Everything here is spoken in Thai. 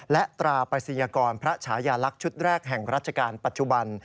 และตราปริศยากรพระฉายาลักษณ์ชุดแรกแห่งราชการปัจจุบัน